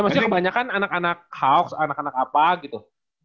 maksudnya kebanyakan anak anak hoax anak anak apa gitu